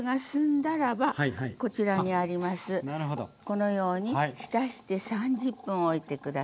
このように浸して３０分おいて下さいませ。